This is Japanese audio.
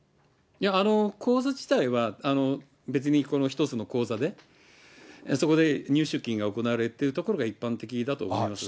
口座自体は、別にこの１つの口座で、そこで入出金が行われるところが一般的だと思います。